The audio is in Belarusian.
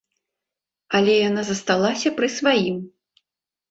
Але яна засталася пры сваім.